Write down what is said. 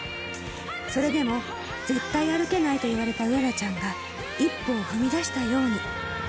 それでも、絶対歩けないと言われた麗ちゃんが一歩を踏み出したように。